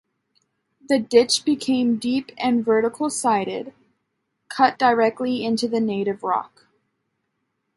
The ditch became deep and vertical sided, cut directly into the native rock.